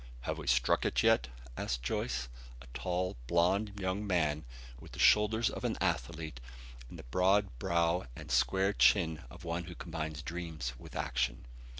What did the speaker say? "Have we struck it yet?" asked Joyce, a tall blond young man with the shoulders of an athlete and the broad brow and square chin of one who combines dreams with action.